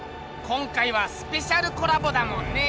今回はスペシャルコラボだもんね。